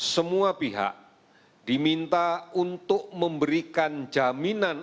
semua pihak diminta untuk memberikan jaminan